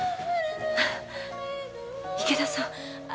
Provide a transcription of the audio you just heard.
池田さん。